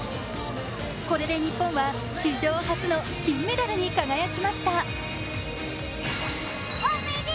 これで日本は史上初の金メダルに輝きました。